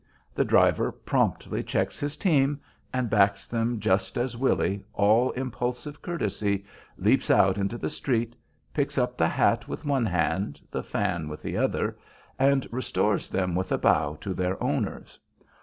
The driver promptly checks his team and backs them just as Billy, all impulsive courtesy, leaps out into the street; picks up the hat with one hand, the fan with the other, and restores them with a bow to their owners.